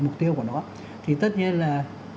mục tiêu của nó thì tất nhiên là